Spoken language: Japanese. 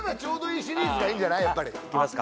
やっぱりいきますか？